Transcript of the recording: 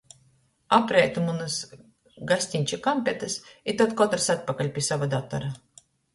Apreitu munys gastiņča kompetys i tod kotrys atpakaļ pi sova datora.